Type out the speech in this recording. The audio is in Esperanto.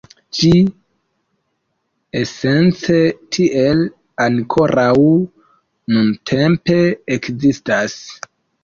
Ĝi esence tiel ankoraŭ nuntempe ekzistas.